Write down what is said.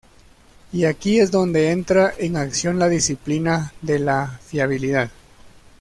Y aquí es donde entra en acción la disciplina de la fiabilidad.